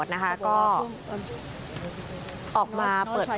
ผมยังอยากรู้ว่าว่ามันไล่ยิงคนทำไมวะ